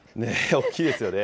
大きいですよね。